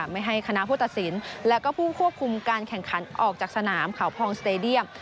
ไม่ให้คณะผู้ตัดสินและก็ผู้ควบคุมการแข่งขันออกจากสนามเขาพองสเตดียม